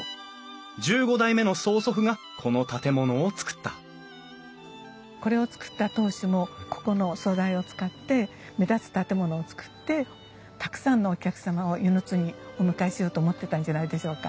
１５代目の曽祖父がこの建物をつくったこれをつくった当主もここの素材を使って目立つ建物をつくってたくさんのお客様を温泉津にお迎えしようと思ってたんじゃないでしょうか。